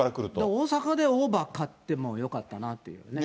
大阪でオーバー買ってもよかったなっていう。